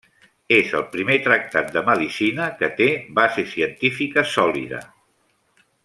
És el primer tractat de medicina que té base científica sòlida.